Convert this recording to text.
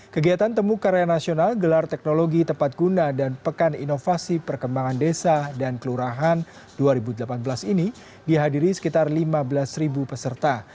kegiatan temu karya nasional gelar teknologi tepat guna dan pekan inovasi perkembangan desa dan kelurahan dua ribu delapan belas ini dihadiri sekitar lima belas peserta